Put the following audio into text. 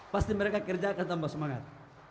pasti mereka kerja akan tambah semangat